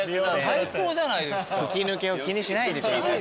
吹き抜けを気にしないでください。